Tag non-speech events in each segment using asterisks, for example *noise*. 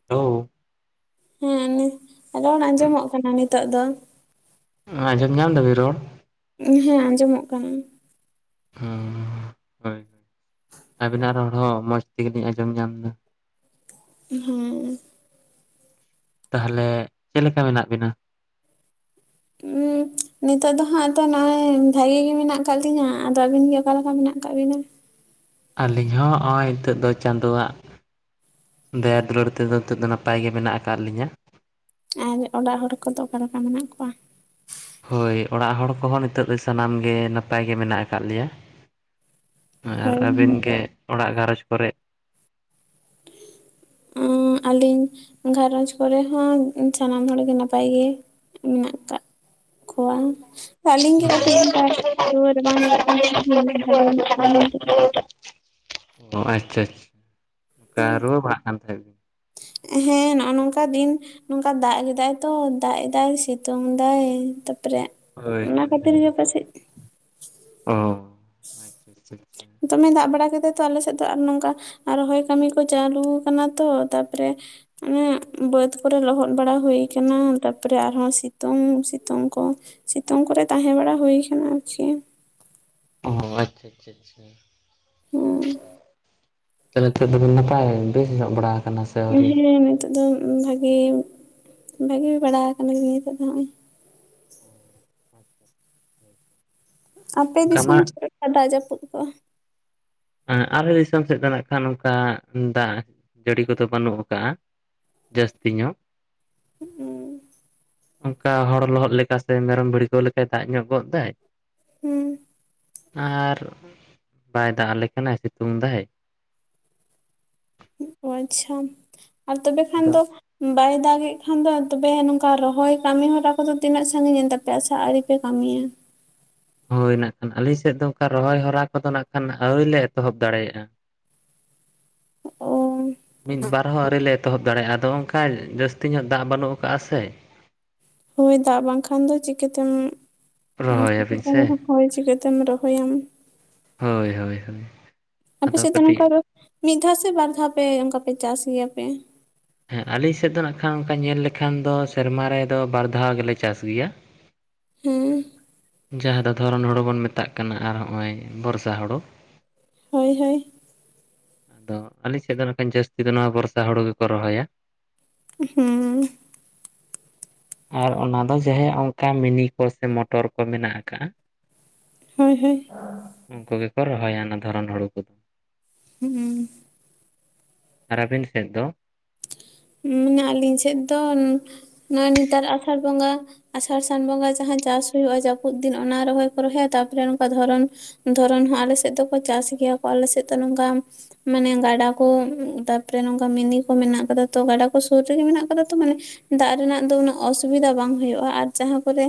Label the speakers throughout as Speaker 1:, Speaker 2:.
Speaker 1: *unintelligible*
Speaker 2: ᱦᱮᱸ ᱚᱱᱮ ᱨᱚᱲ ᱟᱸᱡᱚᱢᱚᱜ ᱠᱟᱱᱟ ᱱᱤᱛᱚᱜ ᱫᱚ᱾
Speaker 1: ᱟᱸᱡᱚᱢ ᱧᱟᱢ ᱫᱟᱵᱤᱱ ᱨᱚᱲ?
Speaker 2: ᱦᱮᱸ ᱟᱸᱡᱚᱢᱚᱜ ᱠᱟᱱᱟ᱾
Speaker 1: ᱚᱻ ᱟᱹᱵᱤᱱᱟᱜ ᱨᱚᱲ ᱦᱚᱸ ᱢᱚᱸᱡᱽ ᱛᱮᱜᱮᱞᱤᱧ ᱟᱸᱡᱚᱢ ᱧᱟᱢᱫᱟ᱾
Speaker 2: *unintelligible*
Speaker 1: ᱛᱟᱦᱞᱮ ᱪᱮᱫ ᱞᱮᱠᱟ ᱢᱮᱱᱟᱜ ᱵᱮᱱᱟ?
Speaker 2: *unintelligible* ᱱᱤᱛᱚᱜ ᱫᱚ ᱦᱟᱸᱜ ᱛᱚ ᱱᱚᱜ-ᱚᱭ ᱵᱷᱟᱜᱤ ᱜᱤ ᱢᱮᱱᱟᱜ ᱟᱠᱟᱜ ᱞᱤᱧᱟ᱾ ᱟᱫᱚ ᱟᱹᱵᱤᱱ ᱜᱮ ᱚᱠᱟᱞᱮᱠᱟ ᱢᱮᱱᱟᱜ ᱠᱟᱜ ᱵᱤᱱᱟ?
Speaker 1: ᱟᱞᱤᱧ ᱦᱚᱸ ᱚᱭ ᱱᱤᱛᱚᱜ ᱫᱚ ᱪᱟᱸᱫᱳᱣᱟᱜ ᱫᱟᱭᱟ ᱫᱩᱞᱟᱹᱲ ᱛᱮᱫᱚ ᱱᱤᱛᱚᱜ ᱫᱚ ᱱᱟᱯᱟᱭ ᱜᱮ ᱢᱮᱱᱟᱜ ᱟᱠᱟᱫ ᱞᱤᱧᱟ᱾
Speaker 2: ᱟᱨ ᱚᱲᱟᱜ ᱦᱚᱲ ᱠᱚᱫᱚ ᱚᱠᱟ ᱞᱮᱠᱟ ᱢᱮᱱᱟᱜ ᱠᱚᱣᱟ?
Speaker 1: ᱦᱳᱭ ᱚᱲᱟᱜ ᱦᱚᱲ ᱠᱚᱦᱚᱸ ᱱᱤᱛᱚᱜ ᱫᱚ ᱥᱟᱱᱟᱢ ᱜᱮ ᱱᱟᱯᱟᱭ ᱜᱮ ᱢᱮᱱᱟᱜ ᱟᱠᱟᱫ ᱞᱮᱭᱟ᱾ ᱟᱨ
Speaker 2: ᱦᱳᱭ
Speaker 1: ᱟᱹᱵᱤᱱ ᱜᱮ ᱚᱲᱟᱜ ᱜᱷᱟᱨᱚᱸᱡᱽ ᱠᱚᱨᱮᱜ
Speaker 2: ᱟᱞᱤᱧ ᱜᱷᱟᱨᱚᱸᱡᱽ ᱠᱚᱨᱮ ᱦᱚᱸ ᱥᱟᱱᱟᱢ ᱦᱚᱲ ᱜᱮ ᱱᱟᱯᱟᱭ ᱜᱮ ᱢᱮᱱᱟᱜ ᱠᱟᱜ ᱠᱚᱣᱟ᱾ ᱟᱞᱤᱧ ᱜᱮ ᱠᱟᱹᱴᱤᱡ ᱨᱩᱣᱟᱹ ᱨᱟᱵᱟᱝ ᱧᱚᱜᱚᱜ ᱠᱟᱱ ᱛᱟᱦᱮᱞᱤᱧ ᱵᱷᱟᱜᱮ ᱧᱚᱜ ᱠᱟᱱᱟᱞᱤᱧ ᱱᱤᱛᱚᱜ ᱫᱚ ᱾
Speaker 1: ᱚ ᱟᱪᱪᱷᱟ ᱟᱪᱪᱷᱟ, ᱚᱱᱠᱟ ᱨᱩᱣᱟᱹ ᱵᱟᱲᱟᱜ ᱠᱟᱱ ᱛᱟᱦᱮᱸ ᱵᱤᱱ᱾
Speaker 2: ᱦᱮᱸ ᱱᱚᱜ-ᱚ ᱱᱚᱝᱠᱟ ᱫᱤᱱ ᱱᱚᱝᱠᱟ ᱫᱟᱜ ᱠᱮᱫᱟᱭ ᱛᱚ ᱫᱟᱜ ᱮᱫᱟᱭ ᱥᱤᱛᱩᱝ ᱫᱟᱭ, ᱛᱟᱯᱚᱨᱮ
Speaker 1: ᱦᱳᱭ
Speaker 2: ᱚᱱᱟ
Speaker 1: ᱦᱳᱭ ᱦᱳᱭ
Speaker 2: *unintelligible*
Speaker 1: ᱚ ᱟᱪᱪᱷᱟ ᱟᱪᱪᱷᱟ ᱟᱪᱪᱷᱟ
Speaker 2: ᱫᱚᱢᱮ ᱫᱟᱜ ᱵᱟᱲᱟ ᱠᱮᱫᱟ ᱛᱚ ᱟᱞᱮ ᱥᱮᱫ ᱫᱚ, ᱟᱨ ᱱᱚᱝᱠᱟ ᱨᱚᱦᱚᱭ ᱠᱟᱹᱢᱤ ᱠᱚ ᱪᱟᱹᱞᱩ ᱠᱟᱱᱟ ᱛᱚ, ᱛᱟᱯᱚᱨᱮ ᱟᱱᱮ ᱵᱟᱹᱫᱽ ᱠᱚᱨᱮ ᱞᱚᱦᱚᱫ ᱵᱟᱲᱟ ᱦᱩᱭ ᱠᱟᱱᱟ ᱛᱟᱨᱯᱚᱨᱮ ᱟᱨᱦᱚᱸ ᱥᱤᱛᱩᱝ ᱥᱤᱛᱩᱝ ᱠᱚ, ᱥᱤᱛᱩᱝ ᱠᱚᱨᱮ ᱛᱟᱦᱮᱸ ᱵᱟᱲᱟ ᱦᱩᱭ ᱠᱟᱱᱟ ᱟᱨᱠᱤ᱾
Speaker 1: ᱚ ᱟᱪᱪᱷᱟ ᱟᱪᱪᱷᱟ ᱟᱪᱪᱷᱟ
Speaker 2: ᱦᱮᱸ
Speaker 1: ᱛᱟᱦᱚᱞᱮ ᱱᱤᱛᱚᱜ ᱫᱚ ᱵᱮᱱ ᱱᱟᱯᱟᱭ ᱵᱮᱥ ᱧᱚᱜ ᱵᱟᱲᱟ ᱠᱟᱱᱟ ᱥᱮ? ᱟᱹᱣᱨᱤ?
Speaker 2: ᱦᱮᱸ ᱱᱤᱛᱚᱜ ᱫᱚ ᱵᱷᱟᱜᱮ ᱵᱷᱟᱜᱮ ᱵᱟᱲᱟ ᱠᱟᱱᱟ ᱞᱤᱧ ᱱᱤᱛᱚᱜ ᱫᱚ ᱱᱚᱜᱼᱚᱭ᱾
Speaker 1: ᱚ ᱟᱪᱪᱷᱟ ᱦᱳᱭᱛᱚ
Speaker 2: ᱟᱯᱮ
Speaker 1: ᱚᱱᱠᱟ ᱢᱟ
Speaker 2: ᱫᱤᱥᱚᱢ ᱪᱮᱫ ᱞᱮᱠᱟ ᱫᱟᱜ ᱡᱟᱹᱯᱩᱫ ᱠᱚ?
Speaker 1: ᱟᱞᱮ ᱫᱤᱥᱚᱢ ᱥᱮᱫ ᱫᱚ ᱱᱟᱜ ᱠᱷᱟᱱ ᱚᱱᱠᱟ ᱫᱟᱜ ᱡᱟᱹᱲᱤ ᱠᱚᱫᱚ ᱵᱟᱹᱱᱩᱜ ᱠᱟᱜᱼᱟ ᱡᱟᱹᱥᱛᱤ ᱧᱚᱜ᱾ ᱚᱱᱠᱟ ᱦᱚᱲ ᱞᱚᱦᱚᱫ ᱞᱮᱠᱟ ᱥᱮ ᱢᱮᱨᱚᱢ ᱵᱷᱤᱲᱠᱟᱹᱣ ᱞᱮᱠᱟᱭ ᱫᱟᱜ ᱧᱚᱜ ᱜᱚᱫ ᱫᱟᱭ,
Speaker 2: ᱦᱩᱸ
Speaker 1: ᱟᱨ ᱵᱟᱭ ᱫᱟᱜ ᱟᱞᱮ ᱠᱟᱱᱟᱭ ᱥᱤᱛᱩᱝ ᱫᱟᱭ᱾
Speaker 2: ᱟᱪᱪᱷᱟ ᱟᱨ ᱛᱚᱵᱮ ᱠᱷᱟᱱ
Speaker 1: ᱟᱫᱚ
Speaker 2: ᱫᱚ ᱵᱟᱭ ᱫᱟᱜ ᱮᱫ ᱠᱷᱟᱱ ᱫᱚ ᱛᱚᱵᱮ ᱱᱚᱝᱠᱟ ᱨᱚᱦᱚᱭ ᱠᱟᱹᱢᱤ ᱦᱚᱨᱟ ᱠᱚᱫᱚ ᱛᱤᱱᱟᱹᱜ ᱥᱟᱹᱜᱤᱧᱮᱱ ᱛᱟᱯᱮᱭᱟ ᱥᱮ ᱟᱣᱨᱤ ᱯᱮ ᱠᱟᱹᱢᱤᱭᱟ?
Speaker 1: ᱦᱳᱭ ᱱᱟᱜ ᱠᱷᱟᱱ ᱟᱞᱤᱧ ᱥᱮᱫ ᱫᱚ ᱚᱱᱠᱟ ᱨᱚᱦᱚᱭ ᱦᱚᱨᱟ ᱠᱚᱫᱚ ᱱᱟᱜ ᱠᱷᱟᱱ ᱟᱹᱣᱨᱤ ᱞᱮ ᱮᱛᱚᱦᱚᱵ ᱫᱟᱲᱮᱭᱟᱜᱼᱟ᱾
Speaker 2: ᱚ
Speaker 1: ᱢᱤᱫ ᱵᱟᱨ ᱦᱚᱸ ᱟᱹᱣᱨᱤ ᱞᱮ ᱮᱛᱚᱦᱚᱵ ᱫᱟᱲᱮᱭᱟᱜᱼᱟ, ᱟᱫᱚ ᱚᱱᱠᱟ ᱡᱟᱹᱥᱛᱤ ᱧᱚᱜ ᱫᱟᱜ ᱵᱟᱹᱱᱩᱜ ᱠᱟᱜᱼᱟ ᱥᱮ᱾
Speaker 2: ᱦᱳᱭ ᱫᱟᱜ ᱵᱟᱝᱠᱷᱟᱱ ᱫᱚ ᱪᱤᱠᱟᱹ ᱛᱮᱢ
Speaker 1: ᱨᱚᱦᱚᱭᱟᱵᱤᱱ
Speaker 2: ᱪᱤᱠᱟᱹᱛᱮᱢ
Speaker 1: ᱥᱮ
Speaker 2: ᱨᱚᱦᱚᱭ ᱨᱚᱦᱚᱭᱟᱢ᱾
Speaker 1: ᱦᱳᱭ ᱦᱳᱭ ᱦᱳᱭ
Speaker 2: ᱟᱯᱮ
Speaker 1: ᱟᱫᱚ
Speaker 2: ᱥᱮᱫ ᱫᱚ
Speaker 1: ᱠᱟᱹᱴᱤᱡ
Speaker 2: ᱱᱚᱝᱠᱟ ᱢᱤᱫ ᱫᱷᱟᱣ ᱥᱮ ᱵᱟᱨ ᱫᱷᱟᱣ ᱯᱮ ᱚᱱᱠᱟ ᱯᱮ ᱪᱟᱥ ᱜᱮᱭᱟ ᱯᱮ?
Speaker 1: ᱦᱮᱸ ᱟᱹᱞᱤᱧ ᱥᱮᱫ ᱫᱚ ᱱᱟᱜ ᱠᱷᱟᱱ ᱱᱚᱠᱟ ᱧᱮᱞ ᱞᱮᱠᱷᱟᱱ ᱫᱚ ᱥᱮᱨᱢᱟ ᱨᱮᱫᱚ ᱵᱟᱨ ᱫᱷᱟᱣ ᱜᱮᱞᱮ ᱪᱟᱥ ᱜᱮᱭᱟ᱾
Speaker 2: ᱦᱩᱸ
Speaker 1: ᱡᱟᱦᱟᱸ ᱫᱚ ᱫᱷᱚᱨᱚᱱ ᱦᱳᱲᱳ ᱵᱚᱱ ᱢᱮᱛᱟᱜ ᱠᱟᱱᱟ ᱟᱨ ᱦᱚᱸᱜᱼᱚᱭ ᱵᱚᱨᱥᱟ ᱦᱳᱲᱳ
Speaker 2: ᱦᱳᱭ ᱦᱳᱭ
Speaker 1: ᱫᱚ ᱟᱹᱞᱤᱧ ᱥᱮᱫ ᱫᱚ ᱠᱷᱟᱱ ᱡᱟᱹᱥᱛᱤ ᱫᱚ ᱱᱚᱣᱟ ᱵᱚᱨᱥᱟ ᱦᱳᱲᱳ ᱜᱮᱠᱚ ᱨᱚᱦᱚᱭᱟ
Speaker 2: ᱦᱩᱸ
Speaker 1: ᱟᱨ ᱚᱱᱟ ᱫᱚ ᱡᱟᱦᱮ ᱚᱱᱠᱟ ᱢᱤᱱᱤ ᱠᱚ ᱥᱮ ᱢᱚᱴᱚᱨ ᱠᱚ ᱢᱮᱱᱟᱜ ᱠᱟᱜᱼᱟ
Speaker 2: ᱦᱳᱭ ᱦᱳᱭ
Speaker 1: ᱩᱱᱠᱩ ᱜᱮᱠᱚ ᱨᱚᱦᱚᱭᱟ ᱚᱱᱟ ᱫᱷᱚᱨᱚᱱ ᱦᱳᱲᱳ ᱠᱚᱫᱚ
Speaker 2: ᱩᱸ
Speaker 1: ᱟᱨ ᱟᱹᱵᱤᱱ ᱥᱮᱫ ᱫᱚ
Speaker 2: ᱩ ᱟᱹᱞᱤᱧ ᱥᱮᱫ ᱫᱚ ᱱᱚᱜᱼᱚᱭ ᱱᱮᱛᱟᱨ ᱟᱥᱟᱲ ᱵᱚᱸᱜᱟ ᱟᱥᱟᱲ ᱥᱟᱱ ᱵᱚᱸᱜᱟ ᱡᱟᱦᱟᱸ ᱪᱟᱥ ᱦᱳᱭᱳᱜᱼᱟ ᱡᱟᱹᱯᱩᱫ ᱫᱤᱱ ᱚᱱᱟ ᱨᱚᱦᱚᱭ ᱠᱚ ᱨᱚᱦᱚᱭᱟ ᱛᱟᱨᱯᱚᱨᱮ ᱱᱚᱠᱟ ᱫᱷᱚᱨᱚᱱ ᱫᱷᱚᱨᱚᱱ ᱦᱚᱸ ᱟᱞᱮ ᱥᱮᱫ ᱫᱚᱠᱚ ᱪᱟᱥ ᱜᱮᱭᱟ ᱠᱚ ᱟᱞᱮ ᱥᱮᱫ ᱫᱚ ᱱᱚᱝᱠᱟ ᱢᱟᱱᱮ ᱜᱟᱰᱟ ᱠᱩ ᱛᱟᱯᱚᱨᱮ ᱱᱚᱝᱠᱟ ᱢᱤᱱᱤ ᱠᱚ ᱢᱮᱱᱟᱜ ᱠᱟ ᱛᱚ ᱜᱟᱰᱟ ᱠᱚ ᱥᱳᱨ ᱨᱮᱜᱮ ᱢᱮᱱᱟᱜ ᱠᱟᱫᱟ ᱛᱚ ᱢᱟᱱᱮ ᱫᱟᱜ ᱨᱮᱱᱟᱜ ᱫᱚ ᱩᱱᱟᱹᱜ ᱚᱥᱩᱵᱤᱫᱟ ᱵᱟᱝ ᱦᱳᱭᱳᱜᱼᱟ ᱟᱨ ᱡᱟᱦᱟᱸ ᱠᱚᱨᱮ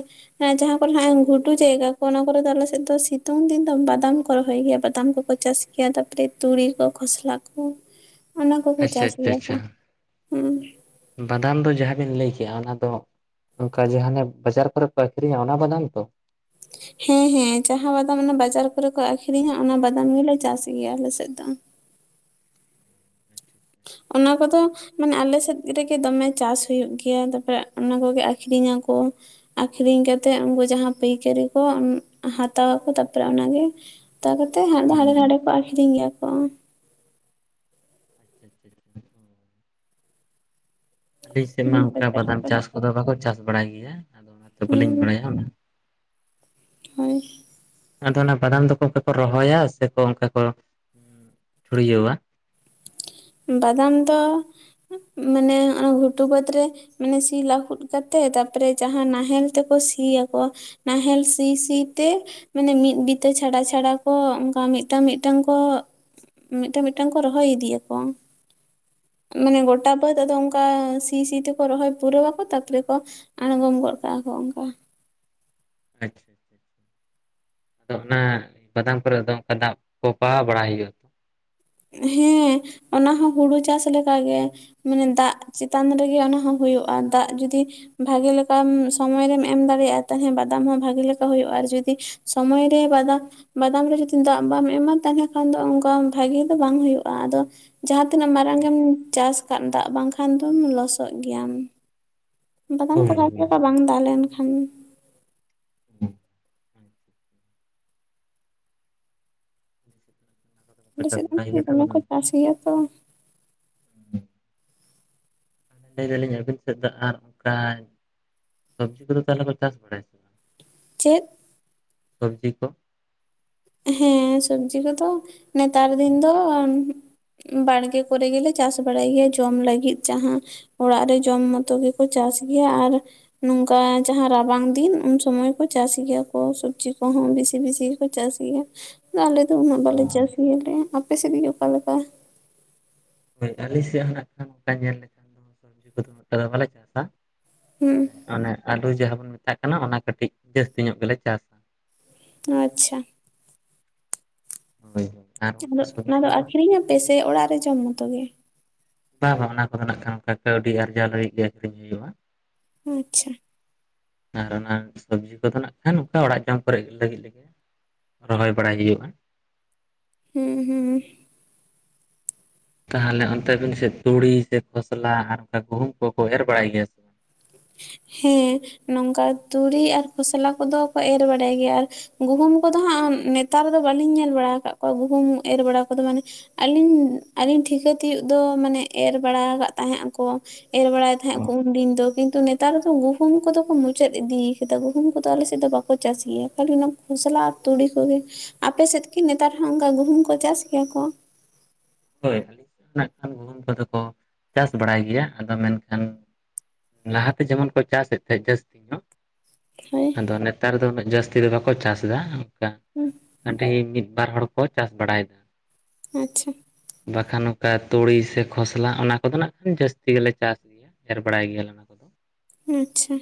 Speaker 2: ᱡᱟᱦᱟᱸ ᱠᱚᱨᱮ ᱦᱟᱡ ᱜᱷᱩᱰᱩ ᱡᱟᱭᱜᱟ ᱠᱚ ᱚᱱᱟ ᱠᱚᱨᱮ ᱫᱚ ᱟᱞᱮᱥᱮᱫ ᱫᱚ ᱥᱤᱛᱩᱝ ᱫᱤᱱ ᱫᱚ ᱵᱟᱫᱟᱢ ᱠᱚ ᱨᱚᱦᱚᱭ ᱜᱮᱭᱟ ᱵᱟᱫᱟᱢ ᱠᱚᱠᱚ ᱪᱟᱥ ᱜᱮᱭᱟ ᱛᱟᱯᱚᱨᱮ ᱛᱩᱲᱤ ᱠᱚ ᱠᱷᱚᱥᱞᱟ ᱠᱚ ᱚᱱᱟ ᱠᱚᱠᱚ
Speaker 1: ᱟᱪᱪᱷᱟ
Speaker 2: ᱪᱟᱥ
Speaker 1: ᱟᱪᱪᱷᱟ
Speaker 2: ᱜᱮᱭᱟ
Speaker 1: ᱟᱪᱪᱷᱟ
Speaker 2: ᱠᱚ ᱩᱸ
Speaker 1: ᱵᱟᱫᱟᱢ ᱫᱚ ᱡᱟᱦᱟᱸ ᱵᱮᱱ ᱞᱟᱹ ᱠᱮᱜᱼᱟ ᱚᱱᱟ ᱫᱚ ᱚᱱᱠᱟ ᱡᱟᱦᱟᱸ ᱚᱱᱮ ᱵᱟᱡᱟᱨ ᱠᱚᱨᱮ ᱠᱚ ᱟᱠᱷᱨᱤᱧᱼᱟ ᱚᱱᱟ ᱵᱟᱫᱟᱢ ᱛᱚ
Speaker 2: ᱦᱮᱸ ᱦᱮᱸ ᱡᱟᱦᱟᱸ ᱵᱟᱫᱟᱢ ᱚᱱᱟ ᱵᱟᱡᱟᱨ ᱠᱚᱨᱮ ᱠᱚ ᱟᱠᱷᱨᱤᱧᱼᱟ ᱚᱱᱟ ᱵᱟᱫᱟᱢ ᱜᱮᱞᱮ ᱪᱟᱥ ᱜᱮᱭᱟ ᱟᱞᱮᱥᱮᱫ ᱫᱚ
Speaker 1: *inaudible*
Speaker 2: ᱚᱱᱟ ᱠᱚᱫᱚ ᱢᱟᱱᱮ ᱟᱞᱮ ᱥᱮᱫ ᱨᱮᱜᱮ ᱫᱚᱢᱮ ᱪᱟᱥ ᱦᱳᱭᱳᱜ ᱜᱮᱭᱟ ᱛᱟᱨᱯᱚᱨᱮ ᱚᱱᱟ ᱠᱚᱜᱮ ᱟᱠᱷᱨᱤᱧ ᱟᱠᱩ ᱟᱠᱷᱨᱤᱧ ᱠᱟᱛᱮᱫ ᱩᱱᱠᱩ ᱡᱟᱦᱟᱸ ᱯᱟᱹᱭᱠᱟᱹᱨᱤ ᱠᱚ ᱦᱟᱛᱟᱣ ᱟᱠᱚ ᱛᱟᱨᱯᱚᱨᱮ ᱚᱱᱟᱜᱮ ᱛᱟᱣ ᱠᱟᱛᱮ ᱦᱟᱱ ᱦᱟᱸᱰᱮ ᱱᱟᱷᱟᱰᱮ
Speaker 1: ᱦᱩᱸ
Speaker 2: ᱠᱚ ᱟᱠᱷᱨᱤᱧ ᱜᱮᱭᱟ ᱠᱚ
Speaker 1: *inaudible* ᱟᱹᱞᱤᱧ ᱥᱮᱫ ᱢᱟ ᱚᱱᱠᱟ
Speaker 2: ᱵᱟᱡᱟᱨ
Speaker 1: ᱵᱟᱫᱟᱢ
Speaker 2: ᱠᱚᱨᱮ
Speaker 1: ᱪᱟᱥ ᱠᱚᱫᱚ ᱵᱟᱠᱚ ᱪᱟᱥ ᱵᱟᱲᱟᱭ ᱜᱮᱭᱟ ᱟᱫᱚ ᱚᱱᱟᱛᱮ ᱵᱟᱹᱞᱤᱧ
Speaker 2: ᱦᱩᱸ
Speaker 1: ᱵᱟᱲᱟᱭᱼᱟ ᱚᱱᱟ
Speaker 2: ᱦᱳᱭ
Speaker 1: ᱟᱫᱚ ᱚᱱᱟ ᱵᱟᱫᱟᱢ ᱫᱚᱠᱚ ᱚᱱᱠᱟ ᱠᱚ ᱨᱚᱦᱚᱭᱟ ᱥᱮᱠᱚ ᱚᱱᱠᱟ ᱠᱚ ᱪᱷᱩᱲᱭᱟᱹᱣᱟ?
Speaker 2: ᱵᱟᱫᱟᱢ ᱫᱚ ᱢᱟᱱᱮ ᱱᱚᱜ ᱜᱩᱴᱩ ᱵᱟᱹᱫᱽ ᱨᱮ ᱢᱟᱱᱮ ᱥᱤ ᱞᱟᱹᱦᱩᱫ ᱠᱟᱛᱮᱜ ᱛᱟᱯᱚᱨᱮ ᱡᱟᱦᱟᱸ ᱱᱟᱦᱮᱞ ᱛᱮᱠᱚ ᱥᱤᱭᱟᱣᱟ ᱠᱚ ᱱᱟᱦᱮᱞ ᱥᱤ ᱥᱤ ᱛᱮ ᱢᱟᱱᱮ ᱢᱤᱫ ᱜᱤᱛᱟᱹ ᱪᱷᱟᱲᱟ ᱪᱷᱟᱲᱟ ᱠᱚ ᱚᱱᱠᱟ ᱢᱤᱫᱴᱟᱝ ᱢᱤᱫᱴᱟᱝ ᱠᱚ ᱢᱤᱫᱴᱟᱝ ᱢᱤᱫᱴᱟᱝ ᱠᱚ ᱨᱚᱦᱚᱭ ᱤᱫᱤᱭᱟᱠᱚ ᱢᱟᱱᱮ ᱜᱚᱴᱟ ᱵᱟᱹᱫᱽ ᱟᱫᱚ ᱚᱱᱠᱟ ᱥᱤ ᱥᱤ ᱛᱮᱠᱚ ᱨᱚᱦᱚᱭ ᱯᱩᱨᱟᱹᱣᱟᱠᱚ ᱛᱟᱯᱚᱨᱮ ᱠᱚ ᱟᱬᱜᱚᱢ ᱜᱚᱫ ᱠᱟᱜᱼᱟ ᱠᱚ ᱚᱱᱠᱟ
Speaker 1: ᱟᱪ ᱟᱫᱚ ᱚᱱᱟ ᱵᱟᱫᱟᱢ ᱠᱚᱨᱮ ᱫᱚ ᱚᱱᱠᱟ ᱫᱟᱜ ᱠᱚ ᱯᱟᱣᱟ ᱵᱟᱲᱟᱭ ᱦᱩᱭᱩᱜ
Speaker 2: ᱦᱮᱸ ᱚᱱᱟ ᱦᱚᱸ ᱦᱩᱲᱩ ᱪᱟᱥ ᱞᱮᱠᱟᱜ ᱜᱮ ᱢᱟᱱᱮ ᱫᱟᱜ ᱪᱮᱛᱟᱱ ᱨᱮᱜᱮ ᱚᱱᱟᱦᱚ ᱦᱩᱭᱩᱜᱼᱟ ᱫᱟᱜ ᱡᱩᱫᱤ ᱵᱷᱟᱜᱮ ᱞᱮᱠᱟᱢ ᱥᱚᱢᱚᱭᱨᱮᱢ ᱮᱢ ᱫᱟᱲᱮᱭᱟᱜᱼᱟ ᱛᱮᱦᱮ ᱵᱟᱫᱟᱢ ᱦᱚᱸ ᱵᱷᱟᱜᱮ ᱞᱮᱠᱟ ᱦᱩᱭᱩᱜᱼᱟ ᱟᱨ ᱡᱩᱫᱤ ᱥᱚᱢᱚᱭ ᱨᱮ ᱵᱟᱫᱟᱢ ᱵᱟᱫᱟᱢ ᱨᱮ ᱡᱩᱫᱤ ᱫᱟᱜ ᱵᱟᱢ ᱮᱢᱟ ᱛᱟᱦᱮᱸ ᱠᱷᱟᱱ ᱫᱚ ᱚᱱᱠᱟ ᱵᱷᱟᱜᱮ ᱵᱟᱝ ᱦᱩᱭᱩᱜᱼᱟ ᱟᱫᱚ ᱡᱟᱦᱟᱸ ᱛᱤᱱᱟᱹᱜ ᱢᱟᱨᱟᱝ ᱜᱮᱢ ᱪᱟᱥ ᱟᱠᱟᱫ ᱫᱟᱜ ᱵᱟᱝᱠᱷᱟᱱ ᱫᱚᱢ ᱞᱚᱥᱚᱜ ᱜᱮᱭᱟᱢ ᱵᱟᱫᱟᱱ ᱠᱚ
Speaker 1: ᱦᱳᱭ
Speaker 2: ᱵᱟᱨᱯᱮᱠᱟ ᱵᱟᱝ ᱫᱟ ᱞᱮᱱᱠᱷᱟᱱ
Speaker 1: ᱦᱳᱭ᱾ ᱵᱟᱠᱚ
Speaker 2: ᱟᱞᱮ
Speaker 1: ᱪᱟᱥ
Speaker 2: ᱥᱮᱫ
Speaker 1: ᱵᱟᱲᱟᱭ
Speaker 2: ᱫᱚ
Speaker 1: ᱜᱮᱭᱟ ᱛᱚ
Speaker 2: ᱫᱚᱢᱮ ᱠᱚ
Speaker 1: ᱵᱟᱫᱟᱢ
Speaker 2: ᱪᱟᱥ ᱜᱮᱭᱟ ᱛᱚ
Speaker 1: *inaudible* ᱞᱟᱹᱭ ᱫᱟᱞᱤᱧ ᱟᱹᱵᱤᱱ ᱥᱮᱫ ᱫᱟᱜ ᱟᱜᱟᱭ ᱥᱚᱵᱽᱡᱤ ᱠᱚᱫᱚ ᱛᱟᱦᱚᱞᱮ ᱠᱚ ᱪᱟᱥ ᱵᱟᱲᱟᱭᱟ ᱼ ᱟ ᱥᱮ ᱵᱟᱝ
Speaker 2: ᱪᱮᱫ
Speaker 1: ᱥᱚᱵᱽᱡᱤ ᱠᱚ,
Speaker 2: ᱦᱮᱸ, ᱥᱚᱵᱽᱡᱤ ᱠᱚᱫᱚ, ᱱᱮᱛᱟᱨ ᱫᱤᱱ ᱫᱚ ᱵᱟᱲᱜᱮ ᱠᱚᱨᱮ ᱜᱮᱞᱮ, ᱪᱟᱥ ᱵᱟᱲᱟᱭ ᱜᱮᱭᱟ, ᱡᱚᱢ ᱞᱟᱹᱜᱤᱫ ᱡᱟᱦᱟᱸ᱾ ᱚᱲᱟᱜ ᱨᱮ ᱡᱚᱢ ᱢᱚᱛᱚ ᱜᱮᱠᱚ, ᱪᱟᱥ ᱜᱮᱭᱟ ᱾ ᱟᱨ ᱱᱚᱝᱠᱟ ᱡᱟᱦᱟᱸ ᱨᱟᱵᱟᱝ ᱫᱤᱱ, ᱩᱱ ᱥᱚᱢᱚᱭ ᱠᱚ ᱪᱟᱥ ᱜᱮᱭᱟ ᱠᱚ, ᱥᱚᱵᱽᱡᱤ ᱠᱚᱦᱚᱸ, ᱵᱤᱥᱤ ᱵᱤᱥᱤ ᱜᱮᱠᱚ ᱪᱟᱥ ᱜᱮᱭᱟ, ᱟᱞᱮ ᱫᱚ ᱩᱱᱟᱹᱜ ᱵᱟᱞᱮ ᱪᱟᱥ ᱜᱟᱞᱮ, ᱟᱯᱮ ᱥᱮᱫ ᱜᱮ ᱚᱠᱟ ᱞᱮᱠᱟ?
Speaker 1: ᱦᱳᱭ, ᱟᱞᱮ ᱥᱮᱫ ᱦᱚᱸ ᱱᱷᱟᱜ ᱠᱷᱟᱱ, ᱚᱱᱠᱟ ᱧᱮᱞ ᱞᱮᱠᱷᱟᱱ ᱫᱚ, ᱥᱚᱵᱽᱡᱤ ᱠᱚᱫᱚ, ᱚᱱᱠᱟ ᱫᱚ ᱵᱟᱞᱮ ᱪᱟᱥᱟ ᱾
Speaker 2: ᱦᱩᱸᱻ ᱾
Speaker 1: ᱚᱱᱮ ᱟᱹᱞᱩ ᱡᱟᱦᱟᱸ ᱵᱚᱱ ᱢᱮᱛᱟᱜ ᱠᱟᱱᱟ, ᱚᱱᱟ ᱠᱟᱹᱴᱤᱡ ᱡᱟᱹᱥᱛᱤ ᱧᱚᱜ ᱜᱮᱞᱮ ᱪᱟᱥᱟ ᱾
Speaker 2: ᱟᱪᱪᱷᱟ ᱾
Speaker 1: ᱦᱚᱭ, ᱦᱚᱭ ᱾
Speaker 2: *unintelligible* ᱚᱱᱟ ᱫᱚ ᱟᱠᱷᱨᱤᱧᱟ ᱯᱮ ᱥᱮ? ᱚᱲᱟᱜ ᱨᱮ ᱡᱚᱢ ᱢᱚᱛᱚ ᱜᱮ᱾
Speaker 1: ᱵᱟᱝ ᱵᱟᱝ, ᱚᱱᱟ ᱠᱚᱫᱚ ᱱᱷᱟᱜ ᱠᱷᱟᱱ, ᱠᱟᱹᱣᱰᱤ ᱟᱨᱡᱟᱣ ᱞᱟᱹᱜᱤᱫ ᱜᱮ ᱟᱹᱠᱷᱨᱤᱧ ᱦᱩᱭᱩᱜᱼᱟ ᱾
Speaker 2: ᱟᱪᱪᱷᱟ ᱾
Speaker 1: ᱟᱨ ᱚᱱᱟ, ᱥᱚᱵᱽᱡᱤ ᱠᱚᱫᱚ ᱱᱷᱟᱜ ᱠᱷᱟᱱ, ᱚᱱᱠᱟ ᱚᱲᱟᱜ ᱡᱚᱢ ᱠᱚᱨᱮᱜ ᱞᱟᱹᱜᱤᱫ ᱞᱮᱜᱮ ᱾ ᱨᱚᱦᱚᱭ ᱵᱟᱲᱟᱭ ᱦᱩᱭᱩᱜᱼᱟ ᱾
Speaker 2: ᱦᱩᱸ, ᱦᱩᱸ ᱾
Speaker 1: ᱛᱟᱦᱚᱞᱮ, ᱚᱱᱛᱮ ᱟᱵᱤᱱ ᱥᱮᱫ, ᱛᱩᱲᱤ ᱥᱮ ᱠᱷᱚᱥᱞᱟ ᱟᱨ ᱚᱱᱠᱟ ᱜᱩᱦᱩᱢ ᱠᱚᱦᱚᱸ ᱠᱚ, ᱮᱨ ᱵᱟᱲᱟᱭ ᱜᱮᱭᱟ ᱥᱮ? ᱵᱟᱝ
Speaker 2: ᱦᱮᱸᱻ, ᱱᱚᱝᱠᱟ ᱛᱩᱲᱤ ᱟᱨ ᱠᱷᱚᱥᱞᱟ ᱠᱚᱫᱚ ᱠᱚ, ᱮᱨ ᱵᱟᱲᱟᱭ ᱜᱮᱭᱟ ᱾ ᱟᱨ ᱜᱩᱦᱩᱢ ᱠᱚᱫᱚ ᱦᱟᱸᱜ, ᱱᱮᱛᱟᱨ ᱫᱚ ᱵᱟᱹᱞᱤᱧ ᱧᱮᱞ ᱵᱟᱲᱟ ᱟᱠᱟᱫ ᱠᱚᱣᱟ ᱿ ᱜᱩᱦᱩᱢ ᱮᱨ ᱵᱟᱲᱟ ᱠᱚᱫᱚ ᱢᱟᱱᱮ ᱾ ᱟᱹᱞᱤᱧ, ᱟᱹᱞᱤᱧ ᱴᱷᱤᱠᱟᱹ ᱛᱤᱭᱳᱜ ᱫᱚ, ᱢᱟᱱᱮ ᱮᱨ ᱵᱟᱲᱟ ᱟᱠᱟᱜ ᱛᱟᱦᱮᱸᱫ ᱟᱠᱚ ᱾ ᱮᱨ ᱵᱟᱲᱟᱭ ᱛᱟᱦᱮᱸᱫ ᱠᱚ ᱩᱱᱫᱤᱱ ᱫᱚ ᱾ ᱠᱤᱱᱛᱩ, ᱱᱮᱛᱟᱨ ᱫᱚ ᱜᱩᱦᱩᱢ ᱠᱚᱫᱚ ᱠᱚ, ᱢᱩᱪᱟᱹᱫ ᱤᱫᱤᱭ ᱟᱠᱟᱫᱟ ᱾ ᱜᱩᱦᱩᱢ ᱠᱚᱫᱚ ᱟᱞᱮᱥᱮᱫ ᱫᱚ ᱵᱟᱠᱚ ᱪᱟᱥ ᱜᱮᱭᱟ ᱾ ᱠᱷᱟᱞᱤ ᱚᱱᱟ, ᱠᱷᱚᱥᱞᱟ ᱟᱨ ᱛᱩᱲᱤ ᱠᱚᱜᱮ ᱾ ᱟᱯᱮ ᱥᱮᱫ ᱠᱤ ᱱᱮᱛᱟᱨ ᱦᱚᱸ ᱚᱱᱠᱟ, ᱜᱩᱦᱩᱢ ᱠᱚ ᱪᱟᱥ ᱜᱮᱭᱟ ᱠᱚ?
Speaker 1: ᱦᱳᱭ, ᱟᱹᱞᱤᱧᱮᱫ *unintelligible* ᱱᱟᱜ ᱠᱷᱟᱱ ᱜᱩᱦᱩᱢ ᱠᱚᱫᱚ ᱠᱚ ᱪᱟᱥ ᱵᱟᱲᱟᱭ ᱜᱮᱭᱟ ᱾ ᱟᱫᱚ, ᱢᱮᱱᱠᱷᱟᱱ ᱞᱟᱦᱟᱛᱮ ᱡᱮᱢᱚᱱ ᱠᱚ, ᱪᱟᱥᱮᱫ ᱛᱟᱦᱮᱸᱜ ᱡᱟᱹᱥᱛᱤ ᱦᱚᱸ
Speaker 2: ᱦᱳᱭ
Speaker 1: ᱾ ᱟᱫᱚ ᱱᱮᱛᱟᱨ ᱫᱚ, ᱩᱱᱟᱹᱜ ᱡᱟᱹᱥᱛᱤ ᱫᱚ ᱵᱟᱠᱚ ᱪᱟᱥ ᱮᱫᱟ ᱚᱱᱠᱟ ᱾
Speaker 2: ᱦᱩᱸ ᱾
Speaker 1: ᱟᱹᱰᱤ ᱢᱤᱫ ᱵᱟᱨ ᱦᱚᱲ ᱠᱚ, ᱪᱟᱥ ᱵᱟᱲᱟᱭᱮᱫᱟ ᱾
Speaker 2: ᱟᱪᱪᱷᱟ ᱾
Speaker 1: ᱵᱟᱠᱷᱟᱱ ᱱᱚᱝᱠᱟ ᱛᱩᱲᱤ ᱥᱮ ᱠᱷᱚᱥᱞᱟ, ᱚᱱᱟ ᱠᱚᱫᱚ ᱱᱷᱟᱜ ᱠᱷᱟᱱ, ᱡᱟᱹᱥᱛᱤ ᱜᱮᱞᱮ ᱪᱟᱥ ᱜᱮᱭᱟ ᱾ ᱮᱨ ᱵᱟᱲᱟᱭ ᱜᱮᱭᱟᱞᱮ ᱚᱱᱟ ᱠᱚ ᱾
Speaker 2: ᱟᱪᱪᱷᱟ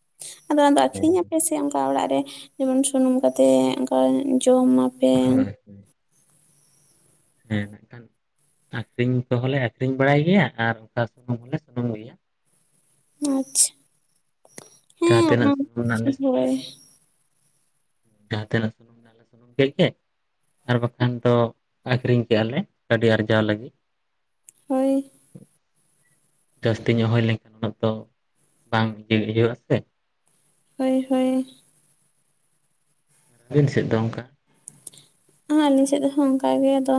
Speaker 2: ᱾ ᱟᱫᱚ, ᱟᱫᱚ ᱟᱠᱷᱨᱤᱧᱟ ᱯᱮ? ᱥᱮ ᱥᱮ, ᱚᱱᱠᱟ ᱚᱲᱟᱜ ᱨᱮ ᱡᱮᱢᱚᱱ ᱥᱩᱱᱩᱢ ᱠᱟᱛᱮ, ᱚᱱᱠᱟ ᱡᱚᱢᱟᱯ
Speaker 1: ᱦᱚᱭ, ᱦᱚᱭ ᱾ ᱦᱮᱸ, ᱱᱟᱠᱷᱟᱱ *inaudible* ᱟᱠᱷᱨᱤᱧ ᱠᱚᱦᱚᱸᱞᱮ, ᱟᱠᱷᱨᱤᱧ ᱵᱟᱲᱟᱭ ᱜᱮᱭᱟ ᱾ ᱟᱨ ᱚᱱᱠᱟ ᱥᱩᱱᱩᱢ ᱦᱚᱸᱞᱮ, ᱥᱩᱱᱩᱢ ᱜᱮᱭᱟ ᱾
Speaker 2: ᱟᱪᱪᱷᱟ, ᱦᱮᱸᱻ
Speaker 1: ᱡᱟᱦᱟᱸ
Speaker 2: *unintelligible*
Speaker 1: ᱛᱤᱱᱟᱹᱜ ᱥᱩᱱᱩᱢ ᱨᱮᱱᱟᱜ
Speaker 2: ᱚᱱᱟᱢᱟ
Speaker 1: ᱞᱮ
Speaker 2: *unintelligible*
Speaker 1: ᱡᱟᱦᱟᱸ ᱛᱱᱟ ᱥᱩᱱᱩᱢᱮᱱᱟ ᱾ *inaudible* ᱥᱩᱱᱩᱢ ᱠᱮᱫ ᱜᱮ ᱟᱨ ᱵᱟᱠᱷᱟᱱ ᱫᱚ, ᱟᱹᱷᱨᱤᱧ ᱠᱮᱜᱼᱟ ᱞᱮ ᱠᱟᱹᱣᱰᱤ ᱟᱨᱡᱟᱣ ᱞᱟᱹᱜᱤᱫ ᱾
Speaker 2: ᱦᱳᱭ ᱾
Speaker 1: ᱡᱟᱹᱥᱛᱤ ᱧᱚᱜ, ᱦᱩᱭ ᱞᱮᱱᱠᱷᱟᱱ ᱩᱱᱟᱹᱜ ᱫᱚ, ᱵᱟᱝ ᱜᱤ ᱦᱩᱭᱩᱜᱼᱟ ᱥᱮ?
Speaker 2: ᱦᱳᱭ ᱦᱳᱭ ᱾
Speaker 1: ᱟᱹᱵᱤᱱ ᱥᱮᱫ ᱫᱚ ᱚᱱᱠᱟ ᱾
Speaker 2: ᱟᱞᱤᱧ ᱥᱮᱫ ᱦᱚᱸ ᱚᱱᱠᱟ ᱜᱮ, ᱟᱫᱚ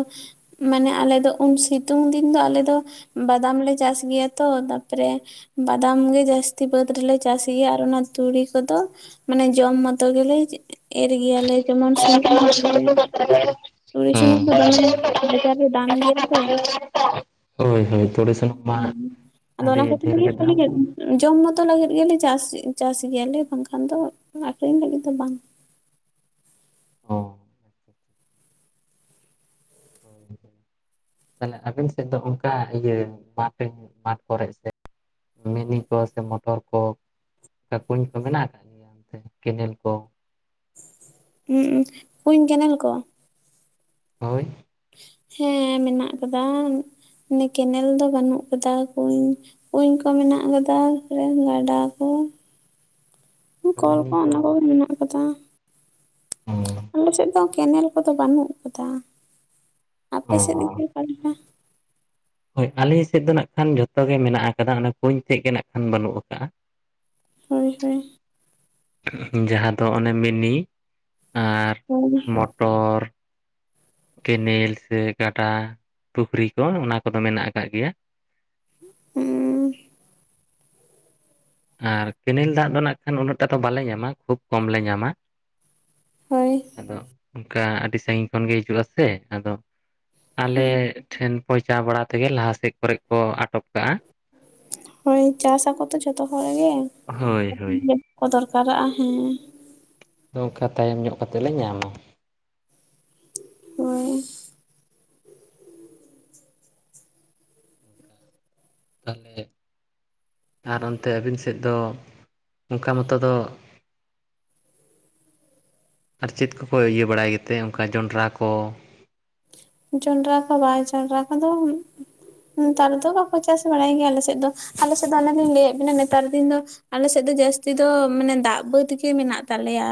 Speaker 2: ᱢᱟᱱᱮ ᱟᱞᱮ ᱫᱚ ᱩᱱ ᱥᱤᱛᱩᱝ ᱫᱤᱱ ᱫᱚ ᱟᱞᱮ ᱫᱚ ᱵᱟᱫᱟᱢ ᱞᱮ ᱪᱟᱥ ᱜᱮᱭᱟ ᱛᱚ, ᱛᱟᱯᱚᱨᱮ ᱵᱟᱫᱟᱢ ᱜᱮ ᱡᱟᱹᱥᱛᱤ, ᱵᱟᱹᱫᱽ ᱨᱮᱞᱮ ᱪᱟᱥ ᱜᱮᱭᱟ ᱾ ᱟᱨ ᱚᱱᱟ ᱛᱩᱲᱤ ᱠᱚᱫᱚ ᱢᱟᱱᱮ ᱡᱚᱢ ᱢᱚᱛᱚ, ᱜᱮᱞᱮ ᱮᱨ ᱜᱮᱭᱟ ᱞᱮ, ᱡᱮᱢᱚᱱ ᱥᱩᱱᱩᱢ ᱢᱚᱛᱚ ᱜᱮ ᱾ ᱛᱩᱲᱤ ᱥᱩᱱᱩᱢ ᱫᱚ ᱫᱚᱢᱮ ᱱᱮᱛᱟᱨ ᱫᱚ ᱫᱟᱢ ᱜᱮᱭᱟ ᱛᱚ ᱾
Speaker 1: ᱦᱳᱭ ᱦᱳᱭ ᱾ ᱛᱚᱲᱤᱥ *unintelligible*
Speaker 2: ᱦᱮᱸ ᱟᱫᱚ ᱚᱱᱟ ᱠᱷᱟᱹᱛᱤᱨ ᱛᱮᱜᱮ ᱠᱩᱞᱤ
Speaker 1: ᱫᱟᱢ
Speaker 2: ᱠᱮᱫ
Speaker 1: ᱠᱟᱱᱟ
Speaker 2: ᱢᱮ ᱾ *unintelligible* ᱡᱚᱢ ᱢᱚᱛᱚ ᱞᱟᱹᱜᱤᱫ ᱜᱮᱞᱮ ᱪᱟᱥ, ᱪᱟᱥ ᱜᱮᱭᱟᱞᱮ, ᱵᱟᱝᱠᱷᱟᱱ ᱫᱚ ᱟᱠᱷᱨᱤᱧ ᱞᱟᱹᱜᱤᱫ ᱫᱚ ᱵᱟᱝ?
Speaker 1: *unintelligible*
Speaker 2: *unintelligible*
Speaker 1: ᱛᱟᱦᱞᱮ ᱟᱵᱤᱱ ᱥᱮᱫ ᱫᱚ ᱚᱱᱠᱟ ᱤᱭᱟᱹ ᱵᱟᱵᱮᱱ *unintelligible* ᱠᱚᱨᱮ ᱥᱮ ᱢᱤᱱᱤ ᱠᱚ ᱥᱮ ᱢᱚᱴᱚᱨ ᱠᱚ ᱠᱩᱧ ᱠᱚ ᱢᱮᱱᱟᱜ ᱟᱠᱟᱫ ᱜᱮᱭᱟ ᱾ ᱚᱱᱛᱮ ᱠᱮᱱᱮᱞ ᱠᱚ
Speaker 2: ᱠᱩᱧ ᱠᱮᱱᱮᱞ ᱠᱚ?
Speaker 1: ᱦᱳᱭ
Speaker 2: ᱦᱮᱸ ᱢᱮᱱᱟᱜ ᱟᱠᱟᱫᱟ, ᱠᱮᱱᱮᱞ ᱫᱚ ᱵᱟᱹᱱᱩᱜ ᱠᱟᱫᱟ, ᱠᱩᱧ ᱠᱩᱧ ᱠᱚ ᱢᱮᱱᱟᱜ ᱟᱠᱟᱫᱟ, ᱛᱟᱯᱚᱨᱮ ᱜᱟᱰᱟ ᱠᱚ ᱠᱚᱞ ᱠᱚ ᱚᱱᱟ ᱠᱚᱜᱮ ᱢᱮᱱᱟᱜ ᱠᱟᱫᱟ ᱾ ᱟᱞᱮ ᱥᱮᱫ ᱫᱚ ᱠᱮᱱᱮᱞ ᱠᱚᱫᱚ ᱵᱟᱹᱱᱩᱜ ᱟᱠᱟᱫᱟ,
Speaker 1: ᱚ
Speaker 2: ᱟᱯᱮ ᱥᱮᱫ ᱨᱮ ᱚᱠᱟᱞᱮᱠᱟ?
Speaker 1: ᱦᱳᱭ ᱟᱞᱮ ᱥᱮᱫ ᱫᱚ ᱱᱟᱜ ᱠᱷᱟᱱ ᱡᱷᱚᱛᱚ ᱜᱮ ᱢᱮᱱᱟᱜ ᱟᱠᱟᱫᱟ, ᱚᱱᱟ ᱠᱩᱧ ᱛᱮᱫ ᱜᱮ ᱱᱟᱜ ᱠᱷᱟᱱ ᱵᱟᱹᱱᱩᱜ ᱟᱠᱟᱜᱼᱟ ᱾‌
Speaker 2: ᱦᱳᱭ ᱦᱳᱭ
Speaker 1: ᱡᱟᱦᱟᱸ ᱫᱚ ᱚᱱᱮ ᱢᱤᱱᱤ ᱟᱨ ᱢᱚᱴᱚᱨ ᱠᱮᱱᱮᱞ ᱥᱮ ᱜᱟᱰᱟ ᱯᱩᱠᱷᱨᱤ ᱠᱚ ᱚᱱᱟ ᱠᱚᱫᱚ ᱢᱮᱱᱟᱜ ᱟᱠᱟᱫ ᱜᱮᱭᱟ ᱾
Speaker 2: ᱦᱩᱸ
Speaker 1: ᱟᱨ ᱠᱮᱱᱮᱞ ᱫᱟᱜ ᱫᱚ ᱱᱟᱜ ᱠᱷᱟᱱ ᱩᱱᱟᱹᱜᱴᱟ ᱫᱚ ᱵᱟᱞᱮ ᱧᱟᱢᱟ ᱠᱷᱩᱵ ᱠᱚᱢ ᱞᱮ ᱧᱟᱢᱟ ᱾
Speaker 2: ᱦᱳᱭ
Speaker 1: ᱟᱫᱚ ᱚᱱᱠᱟ ᱟᱹᱰᱤ ᱥᱟᱺᱜᱤᱧ ᱠᱷᱚᱱ ᱜᱮ ᱦᱤᱡᱩᱜᱼᱟ ᱥᱮ, ᱟᱫᱚ ᱟᱞᱮ ᱴᱷᱮᱱ ᱯᱳᱶᱪᱷᱟᱣ ᱵᱟᱲᱟ ᱛᱮᱜᱮ ᱞᱟᱦᱟᱥᱮᱫ ᱠᱚᱨᱮ ᱠᱚ ᱟᱴᱚᱠ ᱠᱟᱜᱼᱟ ᱾
Speaker 2: ᱦᱳᱭ ᱪᱟᱥ ᱟᱠᱚ ᱛᱚ ᱡᱚᱛᱚ ᱦᱚᱲ ᱜᱮ ᱾
Speaker 1: ᱦᱳᱭ ᱦᱳᱭ᱾
Speaker 2: *unintelligible* ᱜᱮᱠᱚ ᱫᱚᱨᱠᱟᱨᱟᱜᱼᱟ, ᱦᱮᱸ
Speaker 1: ᱱᱚᱝᱠᱟ ᱛᱟᱭᱚᱢ ᱧᱚᱜ ᱠᱟᱛᱮᱫ ᱞᱮ ᱧᱟᱢᱟ ᱾
Speaker 2: ᱦᱚᱭ
Speaker 1: ᱛᱟᱦᱚᱞᱮ ᱟᱨ ᱚᱱᱛᱮ ᱟᱹᱵᱤᱱ ᱥᱮᱫ ᱫᱚ ᱚᱱᱠᱟ ᱢᱚᱛᱚ ᱫᱚ ᱟᱨ ᱪᱮᱫ ᱠᱚᱠᱚ ᱤᱭᱟᱹ ᱵᱟᱲᱟᱭ ᱜᱮᱛᱮ? ᱚᱱᱠᱟ ᱡᱚᱸᱰᱨᱟ ᱠᱚ ᱾
Speaker 2: ᱡᱚᱱᱰᱨᱟ ᱠᱚ ᱵᱟᱭ ᱡᱚᱸᱰᱨᱟ ᱠᱚᱫᱚ ᱱᱮᱛᱟᱨ ᱫᱚ ᱵᱟᱠᱚ ᱪᱟᱥ ᱵᱟᱲᱟᱭ ᱜᱮᱭᱟ ᱟᱞᱮᱥᱮᱫ ᱫᱚ, ᱟᱞᱮ ᱫᱚ ᱚᱱᱟᱞᱤᱧ ᱞᱟᱹᱭᱮᱫ ᱵᱤᱱᱟ ᱱᱮᱛᱟᱨ ᱫᱤᱱ ᱫᱚ ᱟᱞᱮ ᱥᱮᱫ ᱫᱚ ᱡᱟᱹᱥᱛᱤ ᱫᱚ ᱢᱟᱱᱮ ᱫᱟᱜ ᱵᱟᱹᱫᱽ ᱜᱮ ᱢᱮᱱᱟᱜ ᱛᱟᱞᱮᱭᱟ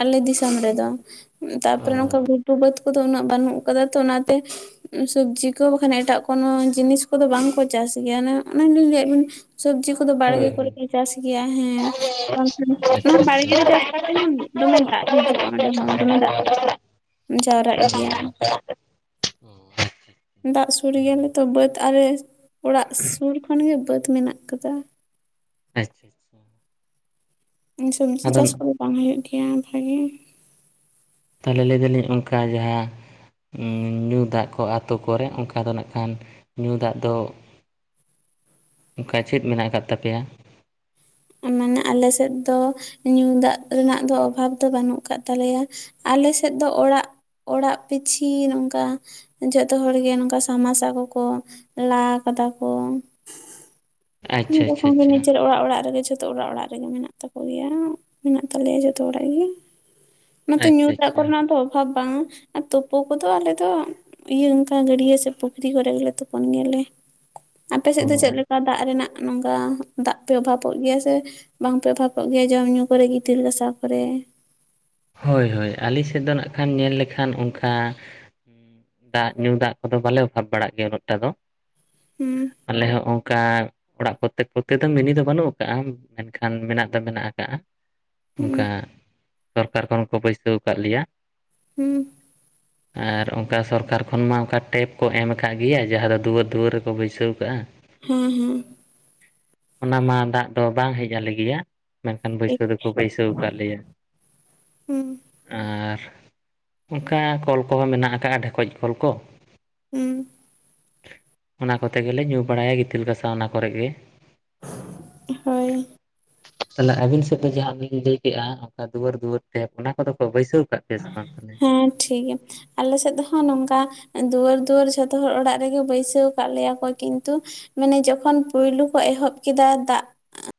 Speaker 2: ᱟᱞᱮ ᱫᱤᱥᱚᱢ ᱨᱮᱫᱚ ᱾
Speaker 1: ᱚ
Speaker 2: ᱛᱟᱨᱯᱚᱨᱮ ᱱᱚᱝᱠᱟ ᱜᱩᱴᱩ ᱵᱟᱹᱫ ᱠᱚᱫᱚ ᱩᱱᱟᱹᱜ ᱵᱟᱹᱱᱩᱜ ᱠᱟᱫᱟ ᱛᱚ ᱚᱱᱟᱛᱮ ᱥᱚᱵᱽᱡᱤ ᱠᱚ ᱵᱟᱠᱷᱟᱱ ᱮᱴᱟᱜ ᱠᱳᱱᱳ ᱡᱤᱱᱤᱥ ᱠᱚᱫᱚ ᱵᱟᱝᱠᱚ ᱪᱟᱥ ᱜᱮᱭᱟ ᱮ ᱚᱱᱟ ᱞᱤᱧ ᱞᱟᱹᱮᱫ ᱵᱤᱱ ᱾ ᱥᱚᱵᱡᱤ ᱩᱱᱠᱩ ᱫᱚ ᱵᱟᱲᱜᱮ
Speaker 1: ᱦᱳᱭ
Speaker 2: ᱠᱚᱨᱮ
Speaker 1: ᱦᱳᱭ
Speaker 2: ᱠᱚ ᱪᱟᱥ ᱜᱮᱭᱟ ᱦᱮᱸ, ᱵᱟᱝᱠᱷᱟᱱ ᱚᱱᱟ
Speaker 1: ᱟᱪᱪᱷᱟ ᱟᱪᱪᱷᱟ᱾
Speaker 2: ᱵᱟᱲᱜᱮ ᱪᱟᱥ ᱠᱟᱛᱮ ᱦᱚᱸ ᱫᱚᱢᱮ ᱫᱟᱜ ᱦᱤᱡᱩᱜᱼᱟ ᱚᱸᱰᱮ ᱦᱚᱸ ᱾ ᱫᱚᱢᱮ ᱫᱟᱜ ᱡᱟᱣᱨᱟᱜ ᱜᱮᱭᱟ ᱾ ᱫᱟᱜ ᱥᱩᱨ ᱜᱮᱭᱟᱞᱮ ᱛᱚ, ᱵᱟᱹᱫᱽ ᱟᱞᱮ ᱚᱲᱟᱜ ᱥᱩᱨ ᱠᱷᱚᱱ ᱜᱮ ᱵᱟᱹᱫᱽ ᱢᱮᱱᱟᱜ ᱟᱠᱟᱫᱟ ᱾
Speaker 1: ᱟᱪᱪᱷᱟᱼᱪᱷᱟ ᱾
Speaker 2: ᱥᱚᱵᱥᱤ
Speaker 1: ᱟᱫᱚ
Speaker 2: ᱪᱟᱥ ᱠᱚᱫᱚ ᱵᱟᱝ ᱦᱩᱭᱩᱜ ᱜᱮᱭᱟ ᱵᱷᱟᱜᱤ ᱾
Speaker 1: ᱛᱟᱦᱚᱞᱮ ᱞᱟᱹᱭ ᱫᱟᱹᱞᱤᱧ ᱚᱱᱠᱟ ᱡᱟᱦᱟᱸ ᱧᱩ ᱫᱟᱜ ᱠᱚ ᱟᱛᱩ ᱠᱚᱨᱮ ᱚᱱᱠᱟ ᱫᱚ ᱱᱟᱜ ᱠᱷᱟᱱ ᱧᱩ ᱫᱟᱜ ᱫᱚ ᱚᱱᱠᱟ ᱪᱮᱫ ᱢᱮᱱᱟᱜ ᱟᱠᱟᱫ ᱛᱟᱯᱮᱭᱟ?
Speaker 2: ᱢᱟᱱᱮ ᱟᱞᱮ ᱥᱮᱫ ᱫᱚ ᱧᱩ ᱫᱟᱜ ᱨᱮᱱᱟᱜ ᱫᱚ ᱚᱵᱷᱟᱵᱽ ᱫᱚ ᱵᱟᱹᱱᱩᱜ ᱟᱠᱟᱜ ᱛᱟᱞᱮᱭᱟ ᱾ ᱟᱞᱮ ᱥᱮᱫ ᱫᱚ ᱚᱲᱟᱜ ᱚᱲᱟᱜ ᱯᱤᱪᱷᱤ ᱱᱚᱝᱠᱟ ᱡᱚᱛᱚ ᱦᱚᱲ ᱜᱮ ᱱᱚᱝᱠᱟ ᱥᱟᱢ ᱢᱟᱨᱥᱟᱞ ᱠᱚᱠᱚ ᱞᱟ ᱠᱟᱫᱟ ᱠᱚ ᱾
Speaker 1: ᱟᱪᱪᱷᱟ ᱟᱪᱪᱷᱟ
Speaker 2: *unintelligible* ᱜᱮ
Speaker 1: ᱟᱪᱪᱷᱟ
Speaker 2: ᱱᱤᱡᱮᱨ ᱚᱲᱟᱜ ᱚᱲᱟᱜ ᱨᱮᱜᱮ ᱡᱚᱛᱚ ᱚᱲᱟᱜ ᱚᱲᱟᱜ ᱨᱮᱜᱮ ᱢᱮᱱᱟᱜ ᱛᱟᱠᱚ ᱜᱮᱭᱟ, ᱢᱮᱱᱟᱜ ᱛᱟᱞᱮᱭᱟ ᱡᱚᱛᱚ ᱚᱲᱟᱜ ᱜᱮ ᱾ ᱚᱱᱟᱛᱮ ᱧᱩ
Speaker 1: ᱟᱪᱪᱷᱟ
Speaker 2: ᱫᱟᱜ
Speaker 1: ᱟᱪᱪᱷᱟ
Speaker 2: ᱠᱚᱨᱮᱱᱟᱜ ᱫᱚ ᱚᱵᱷᱟᱵᱽ ᱵᱟᱝᱼᱟ ᱾ ᱟᱨ ᱛᱳᱯᱳ ᱠᱚᱫᱚ ᱟᱞᱮ ᱫᱚ ᱤᱭᱟᱹ ᱚᱱᱠᱟ ᱜᱟᱹᱰᱭᱟᱹ ᱥᱮ ᱯᱩᱠᱷᱨᱤ ᱠᱚᱨᱮ ᱜᱮᱞᱮ ᱛᱩᱯᱳᱱ ᱜᱮᱭᱟᱞᱮ ᱾ ᱟᱯᱮ ᱥᱮᱫ ᱫᱚ
Speaker 1: ᱚ᱾
Speaker 2: ᱪᱮᱫᱞᱮᱠᱟ ᱫᱟᱜ ᱨᱮᱱᱟᱜ ᱱᱚᱝᱠᱟ ᱫᱟᱜ ᱯᱮ ᱚᱵᱷᱟᱵᱚᱜ ᱜᱮᱭᱟ? ᱛᱮ ᱵᱟᱝᱯᱮ ᱚᱵᱷᱟᱯᱚᱜ ᱜᱮᱭᱟ ᱡᱚᱢᱧᱩ ᱠᱚᱨᱮ ᱜᱤᱛᱤᱞ ᱦᱟᱥᱟᱣ ᱠᱚᱨᱮ?
Speaker 1: ᱦᱳᱭ ᱦᱳᱭ, ᱟᱞᱤ ᱥᱮᱫ ᱫᱚ ᱱᱟᱜ ᱠᱷᱟᱱ ᱧᱮᱞ ᱞᱮᱠᱷᱟᱱ ᱚᱱᱠᱷᱟ ᱫᱟᱜ ᱧᱩ ᱫᱟᱜ ᱠᱚᱫᱚ ᱵᱟᱞᱮ ᱚᱵᱷᱟᱵᱽ ᱵᱟᱲᱟᱜ ᱜᱮᱭᱟ ᱱᱚᱛᱮ ᱫᱚ ᱾
Speaker 2: ᱦᱩᱸ ᱾
Speaker 1: ᱟᱞᱮ ᱦᱚᱸ ᱚᱱᱠᱟ ᱚᱲᱟᱜ ᱯᱨᱚᱛᱛᱮᱠ ᱯᱨᱚᱛᱛᱮᱠ ᱫᱚ ᱢᱤᱱᱤ ᱫᱚ ᱵᱟᱹᱱᱩᱜ ᱟᱠᱟᱜᱼᱟ, ᱢᱮᱱᱠᱷᱟᱱ ᱢᱮᱱᱟᱜ ᱫᱚ ᱢᱮᱱᱟᱜ ᱟᱠᱟᱜᱼᱟ ᱾
Speaker 2: ᱦᱩᱸ
Speaker 1: ᱚᱱᱠᱟ ᱥᱚᱨᱠᱟᱨ ᱠᱷᱚᱱ ᱠᱚ ᱵᱟᱹᱭᱥᱟᱹᱣ ᱟᱠᱟᱫ ᱞᱮᱭᱟ ᱾
Speaker 2: ᱦᱩᱸ ᱾
Speaker 1: ᱟᱨ ᱚᱱᱠᱟ ᱥᱚᱨᱠᱟᱨ ᱠᱷᱚᱱ ᱢᱟ ᱚᱱᱠᱟ ᱴᱮᱯ ᱠᱚ ᱮᱢ ᱠᱟᱜ ᱜᱮᱭᱟ, ᱡᱟᱦᱟᱸ ᱫᱚ ᱫᱩᱣᱟᱹᱨ ᱫᱩᱣᱟᱹᱨ ᱨᱮᱠᱚ ᱵᱟᱹᱭᱥᱟᱹᱣ ᱠᱟᱜᱼᱟ ᱾
Speaker 2: ᱦᱮᱸ ᱦᱩᱸ ᱾
Speaker 1: ᱚᱱᱟ ᱢᱟ ᱫᱟᱜ ᱫᱚ ᱵᱟᱝ ᱦᱮᱡ ᱟᱞᱮᱜᱮᱭᱟ, ᱢᱮᱱᱠᱷᱟᱱ
Speaker 2: ᱴᱷᱤᱠ
Speaker 1: ᱵᱟᱹᱭᱥᱟᱹᱣ ᱫᱚᱠᱚ ᱵᱟᱹᱭᱥᱟᱹᱣ ᱟᱠᱟᱫ ᱞᱮᱭᱟ ᱾
Speaker 2: ᱦᱩᱸ ᱾
Speaker 1: ᱟᱨ ᱚᱱᱠᱟ ᱠᱚᱞ ᱠᱚᱦᱚᱸ ᱢᱮᱱᱟᱜ ᱟᱠᱟᱜᱼᱟ, ᱰᱷᱮᱠᱚᱡ ᱠᱚᱞ ᱠᱚ ᱾
Speaker 2: ᱦᱩᱸ ᱾
Speaker 1: ᱚᱱᱟ ᱠᱚᱛᱮ ᱜᱮᱞᱮ ᱧᱩ ᱵᱟᱲᱟᱭᱟ ᱜᱤᱛᱤᱞ ᱜᱟᱥᱟᱣ ᱚᱱᱟ ᱠᱚᱨᱮ ᱜᱮ ᱾
Speaker 2: ᱦᱳᱭ ᱾
Speaker 1: ᱛᱟᱞᱦᱮ ᱟᱹᱵᱤᱱ ᱥᱮᱫ ᱫᱚ ᱡᱟᱦᱟᱸ ᱞᱤᱧ ᱞᱟᱹᱭ ᱠᱮᱜᱼᱟ, ᱚᱱᱠᱟ ᱫᱩᱣᱟᱹᱨ ᱫᱩᱣᱟᱹᱨ ᱴᱮᱯ ᱚᱱᱟ ᱠᱚᱫᱚ ᱠᱚ ᱵᱟᱹᱭᱥᱟᱹᱣ ᱠᱟᱜ ᱯᱮᱭᱟ ᱥᱮ ᱵᱟᱝ ᱛᱟᱦᱚᱞᱮ?
Speaker 2: ᱦᱮᱸ, ᱴᱷᱤᱠ ᱜᱮᱭᱟ ᱾ ᱟᱞᱮ ᱥᱮᱫ ᱦᱟᱸᱜ ᱱᱚᱝᱠᱟ ᱫᱩᱣᱟᱹᱨ ᱫᱩᱣᱟᱹᱨ ᱡᱷᱚᱛᱚ ᱦᱚᱲ ᱚᱲᱟᱜ ᱨᱮᱜᱮ ᱵᱟᱹᱭᱥᱟᱹᱣ ᱠᱟᱜ ᱞᱮᱭᱟ ᱠᱚ, ᱠᱤᱱᱛᱩ ᱢᱟᱱᱮ ᱡᱚᱠᱷᱚᱱ ᱯᱳᱭᱞᱩ ᱠᱚ ᱮᱦᱚᱵ ᱠᱮᱫᱟ ᱫᱟᱜ